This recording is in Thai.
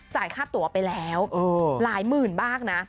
ค่าตัวไปแล้วหลายหมื่นมากนะ